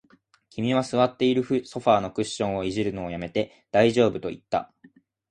君は座っているソファーのクッションを弄るのを止めて、大丈夫と言った